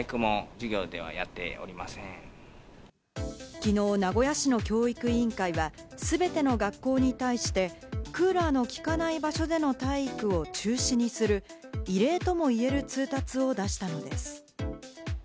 きのう名古屋市の教育委員会は全ての学校に対してクーラーのきかない場所での体育を中止にする異例ともいえる通達を出したのです。